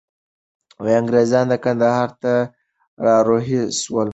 انګریزان کندهار ته را رهي سول.